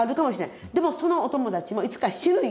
でもそのお友達もいつか死ぬんや。